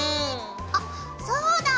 あっそうだ！